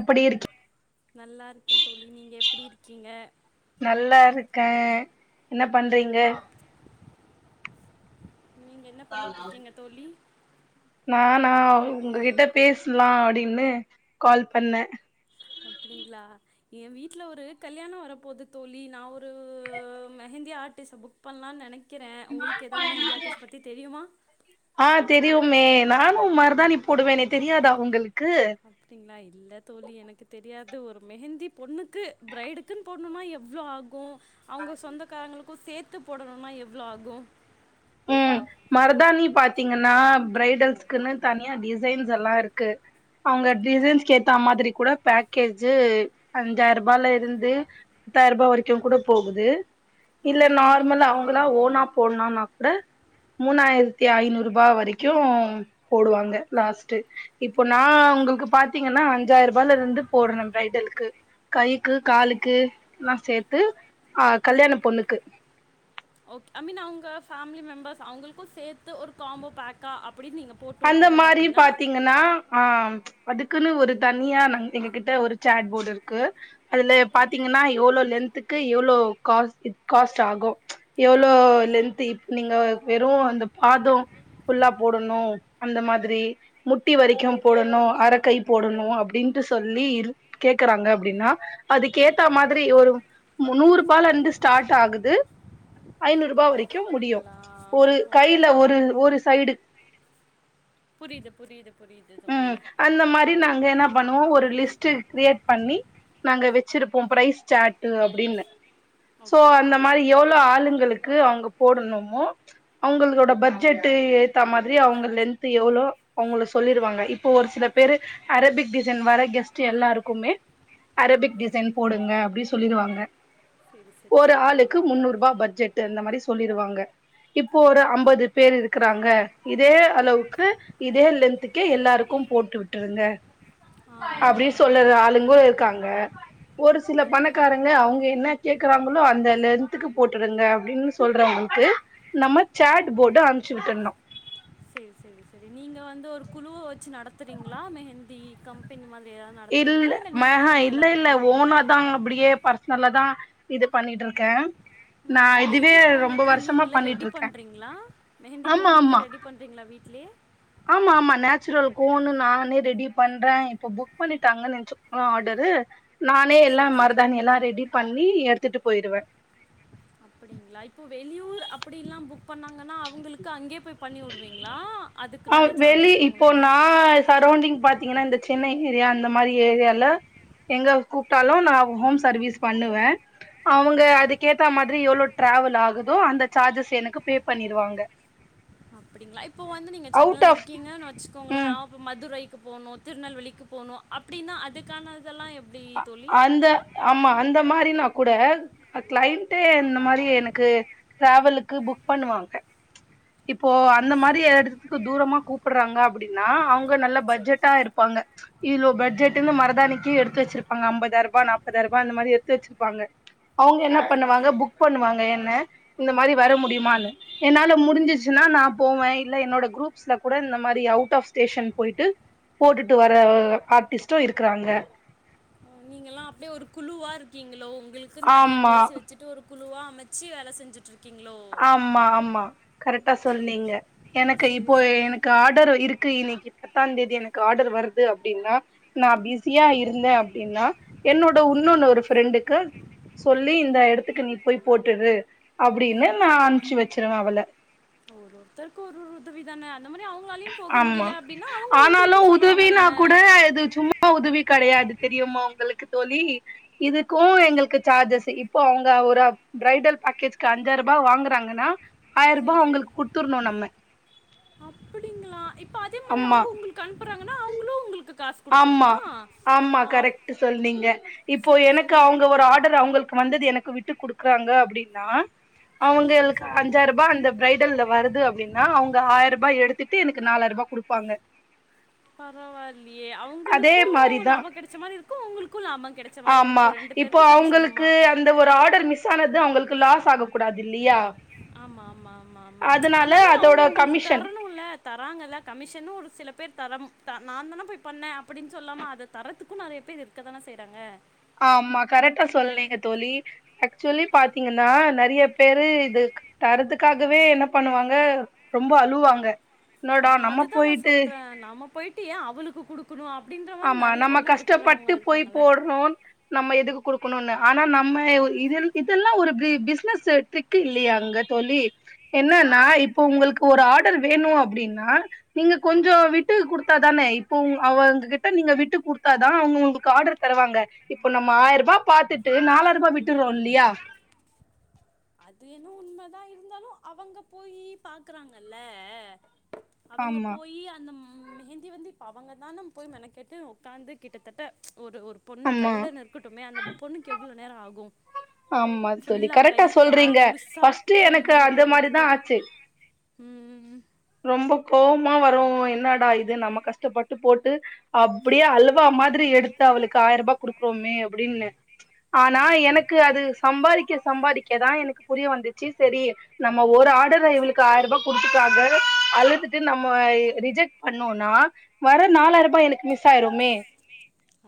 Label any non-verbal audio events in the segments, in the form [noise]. அப்படி இருக்க நல்லாருக்கே தோழி நீங்க எப்டி இருக்கீங்க நல்லா இருக்கே என்ன பண்றீங்க நீங்க என்ன பண்ணிட்ருக்கீங்க தோழி நானா உங்ககிட்ட பேஸ்லா அப்டின்னு கால் பண்ணே அப்டிங்ளா என் வீட்ல ஒரு கல்யாணோ வரப்போது தோழி நா ஒரு மெஹந்தி ஆர்ட்டிஸ புக் பண்லானு நெ னக் க்கிறேன் உங்ளுக்கு எதாது மெஹந்தி ஆர்டிஸ் பத்தி தெரியுமா தாணி போடுவேனே தெரியாதா உங்களுக் அப்டிங்ளா இல்ல தோழி எனக்கு தெரியாது ஒரு மெஹந்தி பொண்ணுக்கு ப்ரைடுக்குன் போடுணுனா எவ்ளோ ஆகு அவுங்க சொந்தக்காரங்களு கு சேத்து போடணுனா எவ்ளோ ஆகு ம் மருதாணி பாத்தீங்கன்னா பிரைடல்ஸ் க்குன்னு தனியா டிசைன்ஸ் எல்லாருக்கு அவங்க டிசைன்ஸ் க்கேத்த மாதிரி கூட பேக்கேஜு அஞ்சாயிரூபாலேருந்து பத்தாயிரூபா வரைக்கு கூட போகுது இல்ல நார்மல் அவங்களா ஓனா போட்னா கூட மூணாயிரத்தி ஐநூரூபா வரைக்கு போடுவாங்க லாஸ்ட்டு இப்ப நா உங்குளுக்கு பாத்தீங்கன்னா அஞ்சாயிரூபாலருந்து போடுறே பிரைடலுக்கு கைக்கு காலுக்கு எல்லா சேத்து ஆ கல்யாண பொண்ணுக்கு ஓகே ஐ மீன் அவங்க மிலி மெம்பர்ஸ் அவங்குளுக்கு சேத்து ஒரு காம்போ பேக்கா அப்படின்னு நீங்கள் போட்டு அந்த விட்டீங்க மாரி அப்படின்னா பாத்தீங்கனா ஆ அதுக்குன்னு ஒரு தனியா நா எங்க கிட்ட ஒரு சேட் போர்டுருக்கு அதுல ஓகே ஓகே பாத்தீங்கன்னா எவ்வளோ லென்துக்கு எவ்ளோ க் காஸ் ட் காஸ்ட் ஆகூ எவ்ளோ லென்த் இப் நீங்க வெறூ அந்த பாதோ ஃபுல்லா போடணூ அந்த மாதிரி முட்டி வரைக்கும் போடணு அரைக்கை போடணு அப்டின்ட்டு சொல்லி இரு கேக்குறாங்க அப்டின்னா அதுக்கு ஏத்த மாதிரி ஒரு முன்னூறு பால இருந்து ஸ்டார்ட் ஆகுது ஐநூறு ரூபா வரைக்கும் முடியு அப்படிங்களா ஒரு ஓகே கைல ஒரு ஒரு சைடு புரிது புரிது உம் அந்த மாரி நாங்க என்ன பண்ணுவோ ஒரு லிஸ்ட் லிஸ்ட் கிரியேட் பண்ணி நாங்க வெச்சிருப்போ ப்ரைஸ் சேட்டு அப்டினு சோ ஓகே அந்த ஓகே மாரி எவ்ளோ ஆளுங்களுக்கு அவுங்க போடணுமோ அவுங்கோட பட்ஜெட்டு் ஏத்தா மாரி அவுங்க லென்த் எவ்ளோ அவுங்க சொல்லிருவாங்க இப்போ ஒரு சில பேரு அரபிக் டிசைன் வர கெஸ்ட்டு எல்லாருக்குமே அரபிக் டிசைன் போடுங்க அப்டி சொல்லிருவாங்க சரி சரி ஒரு சரி ஆளுக்கு முன்னூறுபா பட்ஜெட் அந்த மாரி சொல்லிருவாங்க இப்போ ஆ ஒரு ஐம்பது பேர் இருக்குறாங்க இதே அளவுக்கு இதே லென்துக்கு க்கு எல்லாருக்கூ போட்டு விட்டுருங்க அப்டின்னு ஆ சொல்ற ஆளுங்கோ இருக்காங்க ஒரு சில இல்ல பணக்காரங்க அவுங்க என்ன கேக்குறாங்களோ அந்த லென்த்துக்கு போட்டுறுங்க அப்டின்னு சொல்றவங்களுக்கு நம்ம சேட் போர்டு அனுச்சு விட்டுணு செரி செரி செரி நீங்க வந்து ஒரு குழுவ வச்சு நடத்துறிங்ளா மெஹந்தி கம்பெனி மாதி இல்ல மேஹா இல்ல இல்ல போடுறீங்களா ஓனாதா அப்டியே பர் நல்லதான் இது பண்ணிட்டு இருக்கேன் மெஹந்தி கோன் எப்படி நீங்களே ரெடி இருக்கே பண்ணுறிங்களா மெஹந்தி ஆமா கோன் நீங்களே ஆமா ரெடி பண்ணுறிங்களா வீட்லயே ஆமா ஆமா நேச்சுரல் கோன்னு நானே ரெடி பண்றேன் இப்ப புக் புக் பண்ணிட்டாங்க நினைச்சு ஆர்டரு நானே சரி எல்லாம் சரி மருதாணி எல்லாம் ரெடி பண்ணி எடுத்து எடுத்துட்டு போயிடுவேன் அப்ங்களா இப்போ வெளியூர் அப்டில்லா புக் என்ன பண்ணாங்கன்னா அவுங்களுக்கு அங்கே போய் பண்ணி வுடுவீங்ளா அதுக்கு ஆ நெறைய வெளி சார்ஜஸ் வாங்குவீங்ளா இங்கன்னா இந்த சென்னை ஏரியா அந்த மாரி ஏரியால எங்க கூப்டாலூ நா ஹோம் சர்வீஸ் பண்ணுவே அவுங்க ஓகே அதுக்கேத்த மாரி எவ்ளோ டிராவல் ஆகுதோ அந்த சார்ஜஸ் எனக்கு பே பண்ணிருவாங்க அப்டிங்ளா இப்போ வந்து நீங்க அவுட் சென்னனல ஆஃப் இருக்கீங்கன்னு வச்சுக்கோங்களே ம் அப்ப மதுரை க்கு போனு திருநெல்வேலிக்கு போனு அப்டின்னா அதுக்கானதெல்லா எப் அ.. அந்த ஆமா அந்த மாறி நா கூட க்லைண்டே இந்த மாரி எனக்கு டிராவலுக்கு புக் பண்ணுவாங்க இப்போ அந்த மாரி எடத்துக்கு தூரமா கூப்புட்றாங்க அப்டின்னா அவ்ங் பு நல்ல சரி பட்ஜெட்டா சரி இருப்பாங்க இலோ பட்ஜெட்டுன்னு மரதானிக்கு எடுத்து வெச்சிருப்பாங்க அம்பதாயிருபா நாபதாயிருபா அந்த மாரி எடுத்து வெச்சிருப்பாங்க அவுங்க என்ன சரி சரி பண்ணுவாங்க புக் பண்ணுவாங்க என்ன இந்த மாரி வர முடியுமானு என்னால முடிஞ். ஞ்சுன்னா நா போவே இல்ல என்னோட குரூப்ஸ்ல கூட இந்த மாரி அவுட் ஆஃப் ஸ்டேஷன் போய்ட்டு போட்டுட்டு வர ஆர்டிஸ்ட்டு இருக்குறாங்க எல்லா அப்டியே ஒரு குழுவா இருக்கீங்ளோ உங் ங்உளுக்கு தனியா ஆமா பேசி வச்சுட்டு ஒரு. குழுவா அமச்சி வேல செஞ்சிட்டிறிங்ளோ ஆமா ஆமா கரட்டா சரி சொன்னீங்க எனக்கு சரி இப்போ சரி எனக்கு ஆடர் இருக் கு இன்னிக்கி பத்தாந்தேதி எனக்கு ஆர்டர் வருது அப்டின்னா நா பிஸியா இருந்தே அப்டின்னா என்னோட உன்னொன்னு ஒரு ஃப்ரெண்டுக்கு சொல்லி இந்த எடத்துக்கு நீ போய் போட்டுரு அப்டின்னு நா அம்ச்சு வச்சிருவே அவள [unintelligible] உதவிதான ஆமா ஆனாலூ உங்களுக்கு சொல்லுவாங்க உதவினா தானே கூட இது சும்மா [unintelligible] உதவி கெடையாது தெரியுமா உங்குளுக்கு தோழி இதுக்கூ எங்ளுக்கு சார்ஜஸ்ஸு இப்போ அவங்க ஒரு பிரைடல் பேக்கேஜ்க்கு அஞ்சாயிருபா வாங்கறாங்கன்னா ஆய்ருபா செரி செரி அவுங்ளுக்கு குடுத்துர்னு நம்ம அப்டிங்களா அதே மாறி ஆமா அவுங்க உங்களுக்கு அனுப்புறாங் ஆமா ஆமா ஆப் கரெக்ட்டு சொல்நீங்க இப்போ செரி எனக்கு செரி அவுங்க ஒரு ஆடர் அவங்ளுக்கு வந்து இது எனக்கு விட்டு குடுக்றாங்க அப்டின்னா செரி செரி அவங்களுக்கு செரி அஞ்சாய்ரூபா அந்த பிரைடல்ல வருது அ. அப்டின்னா அவுங்க ஆயிரூபா எடுத்திட்டு எனக்கு நாலாயிரூபா குடுப்பாங்க பரவா. இல்லியே அதே அவுங்குளுக்கூ மாரிதான் லாபோ கெடச்ச மாறி இருக்கூ உங்ளுக்கூ லாபம் கெடச்ச மாரி ஆமா இருக்கூ ரெண்டு இப்போ பேருக்கு செரி சமமா அது அவுங்குளுக்கு லாஸ் ஆக கூடாது இல்லியா ஆமா ஆமா ஆமா ஆமா ஆனாலு அதோட அவுங்க உங்ளுக்கு கமிஷன் தரணுல தராங்கல்ல கமிஷனூ ஒரு சில பேர் தர த.. நாதானே போய் பண்ணே அப்டின்னு சொல்லாம அத தரத்துக்கூ நெறைய பேர் இருக்கதானே செய்றாங்க ஆமா கரட்டா சொல்லீங்க தோழி ஆக்சுலி பாத்தீங்கன்னா நெறய பேரூ இது தரதுக்காகவே என்ன பண்ணுவாங்க ரொம்ப அலுவாங்க ஆ. அதுதா நா சொல்றே நாம போயிட் ட்டு ஏ அவுளுக்கு குடுக் ஆமா நம்ம கஷ்டப்பட்டு போய் இருக்காங்கல்ல போட்றோன் நம்ம எதுக் குடுக்கணுனு ஆனா நம்ம ஒ இதெல் இதெல்லா ஒரு ப்ரீ பிஸ்னஸ்ஸு ட்ரிக் இல்லையாங்க தோழி என்னனா இப்ப உங்கள்க்கு ஒரு ஆர்டர் வேணு அப்டின்னா நீங்க கொஞ்சோ விட்டு குடுத்தா தானே இப்ப உங் அவங்க கிட் நீங்க விட்டு குடுத்தாதான் அவங்க உங்ளுக்கு ஆர்டர் தருவாங்க இப்ப நம்ம ஆயிருபா பாத்துட்டு நாலாயிருபா விட்டுறோம் இல்லியா அது என்னோ உண்ம தா இருந்தாலு அவங்க போயி பாக்கறாங்கல்ல அவங்க ஆமா போயி அந்த மெஹந்தி வந்து இப்ப அவங்க தான போய் மெனக்கெட்டு உட்காந்து கிட்டத்தட்ட ச் ஒரு ஒரு பொண்ணு ஆமா பிரைடல்ல இருக்கட்டுமே அந்த பொண்ணுக்கு எவ் வ்வளோ நேரோ ஆகு ஆமா தோழி ஃபுல்லா கை கரெக்டா சொல் [unintelligible] கால் முழுசா ஃபர்ஸ்ட்டு எனக்கு அது மாதிரிதா ஆச்சு ம் ம் ம் ரொம்ப கோபமா வரு என்னடா இது நம்ம கஷ்டப்பட்டு போட்டு அப்டியே அலுவா மாதிரி எடுத்து அவளுக்கு ஆயர்ரூபா குடுக்குறோமே அப்டின்னு ஆனா அது எனக்கு அது சம்பாரிக்க சம்பாரிக்க தா எனக்கு புரிய வந்துச்சு சரி நம்ம ஒரு ஆர்டர இவளுக்கு ஆயர்ரூபா குடுத்துக்காக அழுதுட்டு நம்ம ரிஜெக்ட் பண்ணோனா வர நாலாயிரம் ரூபாய் எனக்கு மிஸ் ஆயிருமே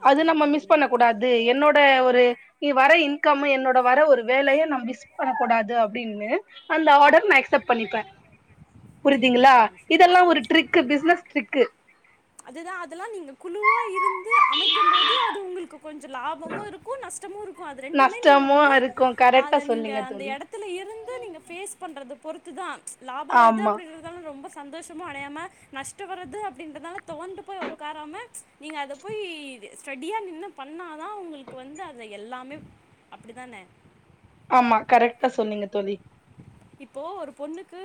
அது நம்ம என்னவோ மிஸ் பண்ண உண்மைதான் கூடாது என்னோட ஒரு நீ வர இன்கம் என்னோட வர ஒரு வேலைய நா மிஸ் பண்ணக் கூடாது அப்படின்னு அந்த ஆர்டர் நா அக்செப்ட் பண்ணிப்ப சரி புரியுதுங்களா சரி சரி இதெல்லாம் சரி ஒரு ட்ரிக்கு பிசினஸ் ட்ரிக்கு அது தா அதெல்லா நீங்க குழுவா இருந்து அமைக்கம்போது அது உங்ளுக்கு கொஞ்ச லாபமும் இருக்கு நஷ் கூச்சமு இருக்கு அது ரெண்டுமே நீங்க நஷ்டமு வந்து இருக்கு கரெக்டா அத நீங்க சொன்னீங்க அந்த தோழி இடத்துல இருந்து நீங்க பேஸ் பண்றது பொறுத்து தா லாபம் வருது ஆமா அப்படிங்கிறதாலு ரொம்ப சந்தோஷமு அடையாம நஷ்டோ வர்றது அப்படின்றனால துவண்டு போய் உக்காராம ச் நீங்க அத போய் ஸ்டெடிய நின்னு பண்ணா தா உங்ளுக்கு வந்து அத எல்லாமே அப்படி தான ஆமா கரெக்டா சொன்னீங்க தோழி இப்போ ஒரு பொண்ணுக்கு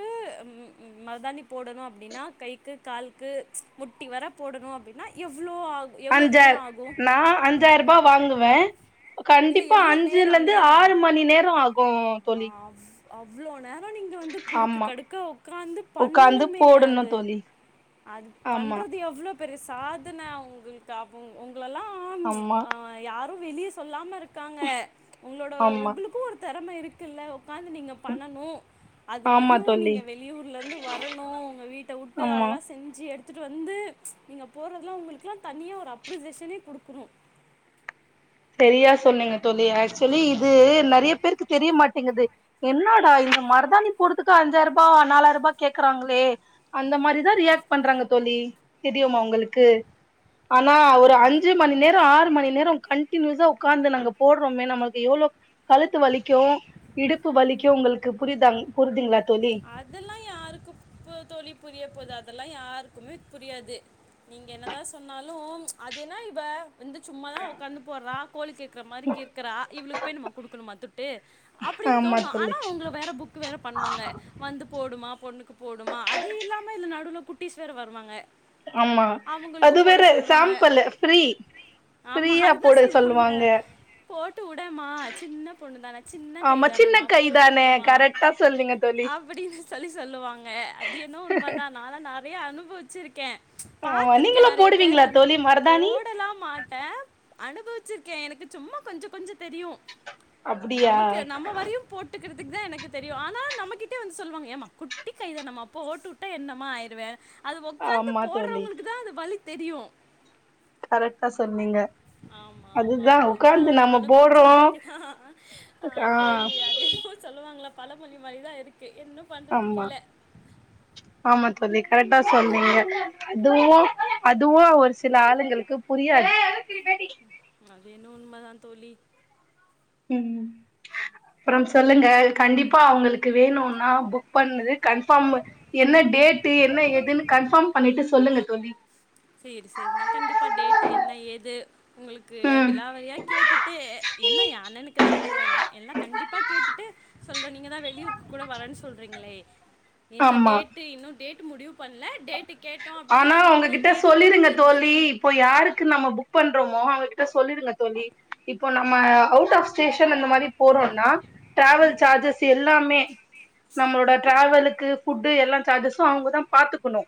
மருதாணி போடணு அப்படின்னா கைக்கு காலுக்கு முட்டி வர போடணும் அப்படின்னா எவ் அஞ்சாய நான் அஞ்சாயிருபா வாங்குவேன் இல்ல கண்டிப்பா எவ்ளோ அஞ்சுல நேரோ இருந்து நேரோ ஆறு மணி நேரம் ஆகும் தோழி அவ் அவ்ளோ நே நீங்க வந்து குறுக்கு ஆமா கடுக்க உக்காந்து உக்காந்து பண்ணணுமே போடணு அது தோழி அது ஆமா பண்றது எவ்ளோ பெரிய சாதன அவங்களுக்கு அவுங் உங்களல்லாம் ஆமா யார் வெளிய சொல்லாம இருக் இருக்காங்க உங்களோட ஆமா உங்களுக்கும் ஒருத்தர் [unintelligible] இருக்குல்ல காந்து நீங்க பண்ணணு அது ஆமா வரியூ தோழி நீங்க வெளியூர்லந்து வரணூ உங்க வீட்ட வுட்டு ஆமா அதல்லா செஞ்சு எடுத் த்துட்டு வந்து நீங்க போறதலா உங்ளுக்குலா தனியா ஒரு அப்ரிசேஷனே குடுக்குணு செரியா சொன்னீங்க தோழி ஏக்சுவலி இது நறிய பேருக்கு தெரிய மாட்டிங்கிது என்னாடா இந்த மருதாணி போடதுக்கா அஞ்சாய்ர்பா நாலாயிரபா கேக்கறாங்களே அந்த மாரிதா ரியாக்ட் பண்றாங்க தோழி தெரியுமா உங்களுக்கு ஆனா ஒரு அஞ்சு மணி நேரோ ஆறு மணி நேரோ கன் டினியூஸா உக்காந்து நாங்க போட்றோமே நம்மளுக் எவ்ளோ கழுத்து வலிக்கூ இடுப்பு வலிக்கூ உங்கள்க்கு புரிதாங் புரிதிங்ளாத் அதல்லா யாருக்குப்பு தோழி புரிய போது அத ல்லா யாருக்குமே புரியாது நீங்க என்னதா சொன்னாலு அதென்ன இவ வந்து சும்மாதா ஒக்காந்து போட்றா கோழி கிருக்கற மாரி‌ கிருக்றா இவளுக் பொய் நம்ம குடுக்குணுமா துட்டு அப்படின் ஆமா தோணு தோழி ஆனா உங்ள வேற புக்கு வேற பண்வாங்க. போடுமா பொண்ணுக்கு போடுமா அது இல்லாம இதல நடுவுல குட் டிஸ் வேற வருவாங்க ஆமா அவுங்குள்க்கூ அது போட வேற சொல்வாங்க சாம்பிள் ஃப்ரீ [inaudible] ஆமா ஃப்ரீயா அதுதா போட சொல்லுவாங்க போட்டு உடேமா சின்ன பொண்ணு தான சின்ன கை ஆமா சின்ன தானேமா கை போட்டு தானே உடுமா கரெக்டா சொல்றீங்க [inaudible] தோழி அப்டின்னு சொல்லி சொல்லுவாங்க அதென்னவோ உண்மதா நாலா நா றைய அனுபவிச்சிருக்கே ஆமா பாத்திருக்கே நீங்களு நறைய போடுவீங்களா பேர் அந்த மா தோழி [inaudible] மருதாணி போடலா மாட்டே அனுபவிச்சிருக்கே எனக்கு சும்மா கொஞ்ச கொஞ்சோ தெரியூ அப்டியா நமக்கு நம்ம வரையூ போட்டுக் கிறதுக்கு தா எனக்கு தெரியூ ஆனா நமக்கிட் டே வந்து சொல்லுவாங் ஏமா குட்டி கைதானம்மா போட்டு வுட்டா என்னம்மா ஆயிருவே அது ஒக்காந்து ஆமா தோழி போட்றவங்ளுக்கு தா அது வலித் தெரியூ கரெக்டா சொன்னீங்க ஆமா ஆமா அதுதா ஏனா உக்காந்து நம்ம போடுறோ அனுபவிச்சவங்ளுக்குதா ஆ கோழி அது எதுவோ சொல்லுவாங்களேப் பல மொழி மரிதா இருக் ஆமா ஆமா தோழி கரெக் டா சொன்னீங்க தூவூ அதுவூ ஒரு சில ஆளுங்களுக்கு புரியாது அதென்ன உண்மதா தோழி ம் அப்றம் சொல்லுங்க கண்டிப்பா அவுங்களுக்கு வேணூன்னா புக் பண்ணது கன்ஃபாம் என்ன டேட்டு என்ன ஏதுன்னு கன்ஃபாம் பண்ணிட்டு சொல்லுங்க தோழி சேரி சேரி நா கண்டிப்பா டேட்டு என்ன ஏது உங்ளுக்கு ம் விளாவரியா கேட்டுட்டு என்ன ஏ அண்ணனுக் கு தா கல்யாணோ எல்லா கண்டிப்பா கேட்டுட்டு சொல்றே நீங்க தா வெளியூருக்குகூட வரேன் சொல்றீங்களே என்ன ஆமா டேட்டு இன்னூ டேட் டு முடிவுப் பண்ல டேட்டு கேட்டோ அப்டின்னா அது என்ன டேட் ல்லிருங்க அப்படின்ற தோழி முதற்கொண்டு இப்ப யாருக்கு நம்ம புக் பண்றமோ அவர்கிட்ட சொல்லிருங்க தோழி இப்போ நம்ம அவுட் ஆஃப் ஸ்டேஷன் அந்த மாறி போறோன்னா ட்ராவல் சார்ஜஸ் எல்லாமே நம்மளோட டிராவலுக்கு ஃபுட்டு எல்லா சார்ஜஸு அவங்கதா பாத்து க்குனு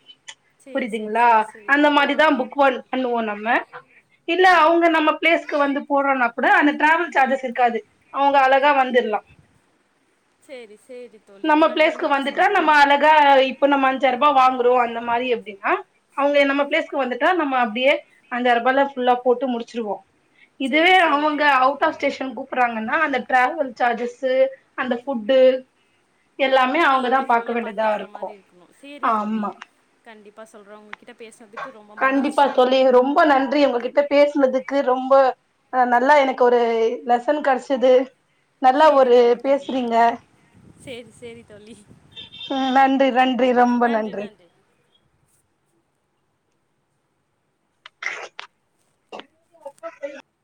சரி சரி புரிதுங்ளா சரி சரி அந்த ஆ மாரிதா ஆ புக் ஒன் பண்ணுவோ நம்ம இல்ல அவங்க நம்ம பிளேஸ்க்கு வந்து போடுறனா கூட அந்த டிராவல் சார்ஜஸ் இருக்காது அவங்க அழ கா வந்திர்லா சரி சரி தோழி நம்ம நான் பிளேஸ்க்கு கண்டிப்பா வந்துட்டா நம்ம சொல்றேன் அழகா இப்ப நம்ம அஞ்சாருபா வாங்க ஓ அந்த மாரி அப்டின்னா அவங்க நம்ம பிளேஸ்க்கு வந்துட்டா நம்ம அப்டியே அஞ்சாயிருபால ஃபுல்லா போட்டு முடிச்சுருவோ இதுவே சரி சரி அவங்க தோழி அவுட் ஆஃப் ஸ்டேஷன் கூப்பறாங்கன்னா அந்த டிராவல் சார்ஜஸ்ஸு அந்த ஃபுட்டு எல்லாமே அவங்கதா பாக்க நம்மள வேண்டிதா பாத்துக்கிற இருக்கு மாரி இருக்கணும் சேரி தோழி ஆம்மா கண்டிப்பா சொல்றே உங்க கிட்ட பேசுனதுக்கு ரொம்ப கண்டிப்பா மகிழ்ச்சி னதுக்கு ரொம்ப அ நல்லா எனக்கு ஒரு லெசன் கெடச்சுது. நல்லா சேரி ஒரு தோழி கண்டிப்பா பேசுறிங்க சேரி சேரி தோழி நன்றி நன்றி ரொம்ப நன்றி. அக்கா பைய